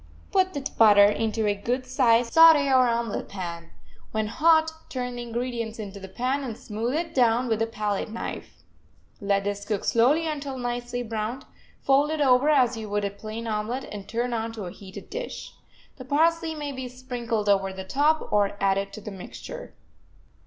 Put the butter into a good sized saute or omelet pan; when hot, turn the ingredients into the pan, and smooth it down with a pallet knife. Let this cook slowly until nicely browned; fold it over as you would a plain omelet, and turn onto a heated dish. The parsley may be sprinkled over the top, or added to the mixture.